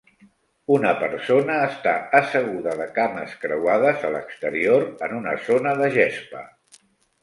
Una persona està asseguda de cames creuades a l'exterior en una zona de gespa.